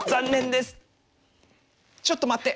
ちょっと待って！